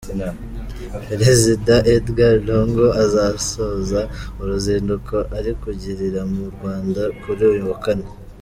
Perezida Edgar Lungu azasoza uruzinduko ari kugirira mu Rwanda kuri uyu wa Kane.